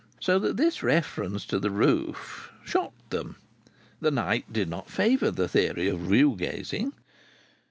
So that this reference to the roof shocked them. The night did not favour the theory of view gazing.